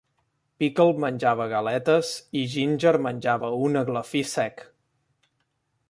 Pickle menjava galetes i Ginger menjava un eglefí sec.